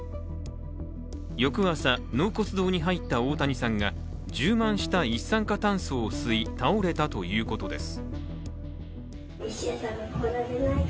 翌朝、納骨堂に入った大谷さんが充満した一酸化炭素を吸い倒れたということです。